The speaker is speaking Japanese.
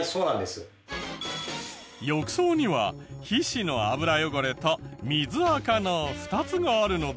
浴槽には皮脂の脂汚れと水あかの２つがあるので。